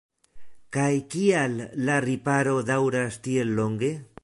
Kaj kial la riparo daŭras tiel longe?